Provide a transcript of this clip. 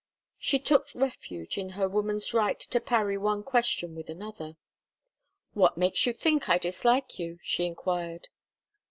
She took refuge in her woman's right to parry one question with another. "What makes you think I dislike you?" she enquired.